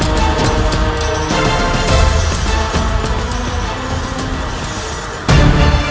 tidak ada apa apa